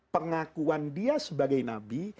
pengakuan dia sebagai nabi